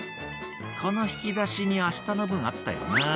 「この引き出しに明日の分あったよな」